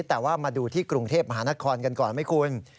แต่ว่ามาดูที่กรุงเทพมหานครกันก่อนไหมคุณ